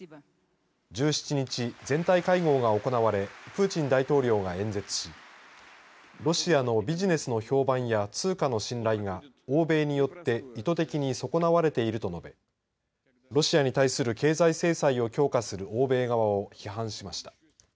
１７日、全体会合が行われプーチン大統領が演説しロシアのビジネスの評判や通貨の信頼が欧米によって意図的に損なわれていると述べロシアに対する経済制裁を強化する欧米側を批判しました。